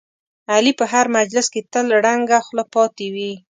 علي په هر مجلس کې تل ړنګه خوله پاتې وي.